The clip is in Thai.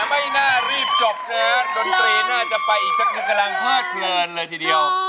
ไม่น่ารีบจบนะครับด้นตรีน่าจะไปอีกสักนึงกำลังพลเผลิน